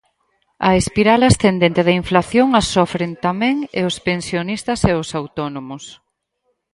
A espiral ascendente da inflación a sofren tamén e os pensionistas e os autónomos.